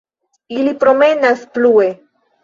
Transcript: Ili promenas plue.